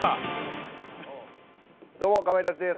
どうもかまいたちです。